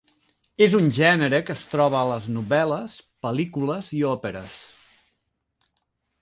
És un gènere que es troba a les novel·les, pel·lícules i òperes.